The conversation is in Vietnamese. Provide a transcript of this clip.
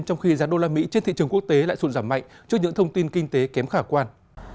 trong khi giá đô la mỹ trên thị trường quốc tế lại sụn giảm mạnh trước những thông tin kinh tế kém khả quan